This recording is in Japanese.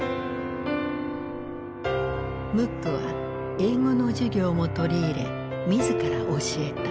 ムックは英語の授業も取り入れ自ら教えた。